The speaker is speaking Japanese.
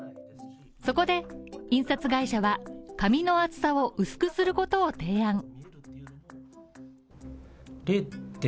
そこで、印刷会社は紙の厚さを薄くすることを提案。